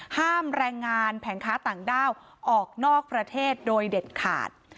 แรงงานแผงค้าต่างด้าวออกนอกประเทศโดยเด็ดขาด